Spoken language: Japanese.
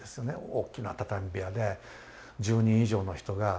大きな畳部屋で１０人以上の人が雑魚寝してる。